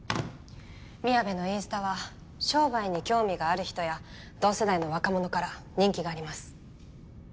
みやべのインスタは商売に興味がある人や同世代の若者から人気があります。